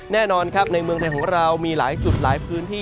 แน่นอนครับในเมืองไทยของเรามีหลายจุดหลายพื้นที่